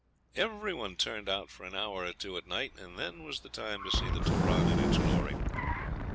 Every one turned out for an hour or two at night, and then was the time to see the Turon in its glory.